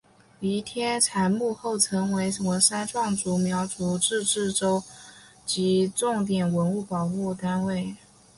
黎天才墓后来成为文山壮族苗族自治州州级重点文物保护单位。